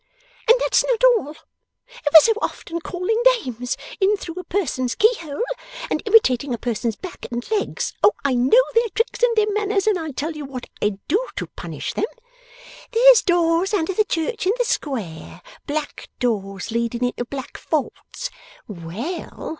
'And that's not all. Ever so often calling names in through a person's keyhole, and imitating a person's back and legs. Oh! I know their tricks and their manners. And I'll tell you what I'd do, to punish 'em. There's doors under the church in the Square black doors, leading into black vaults. Well!